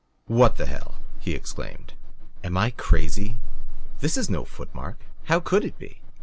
"What the hell!" he exclaimed, "am I crazy? This is no foot mark. How could it be?